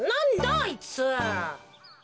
あいつ。